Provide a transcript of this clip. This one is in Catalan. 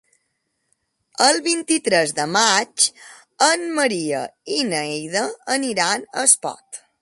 El vint-i-tres de maig en Maria i na Neida aniran a Espot.